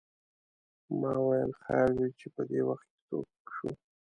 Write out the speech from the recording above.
ما ویل خیر وې چې پدې وخت څوک شو.